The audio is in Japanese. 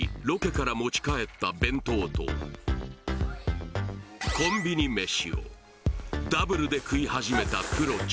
ロケから持ち帰った弁当とコンビニ飯をダブルで食い始めたクロ